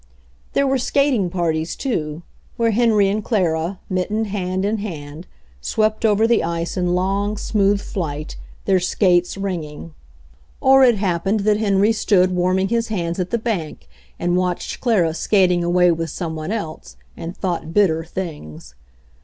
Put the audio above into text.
There were skating parties, too, where Henry and Clara, mittened hand in hand, swept over the ice in long, smooth flight, their skates ringing. 44 HENRY FORD'S OWN STORY Or it happened that Henry stood warming his hands at the bank and watched Clara skating away with some one else, and thought bitter things.